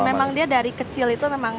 memang dia dari kecil itu memang